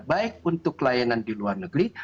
baik untuk layanan di luar negeri